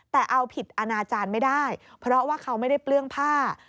แต่เอาผิดอนาจารย์ไม่ได้เพราะว่าเขาไม่ได้เปลื้องผ้า